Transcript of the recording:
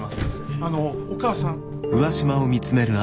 あのお母さん。